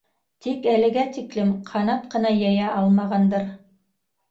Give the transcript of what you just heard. Тик әлегә тиклем ҡанат ҡына йәйә алмағандыр.